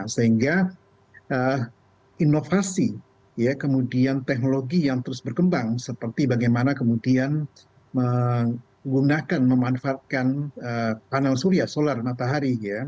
sehingga inovasi kemudian teknologi yang terus berkembang seperti bagaimana kemudian menggunakan memanfaatkan panel surya solar matahari